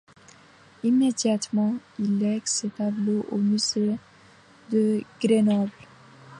Immédiatement, il lègue ces tableaux au musée de Grenoble.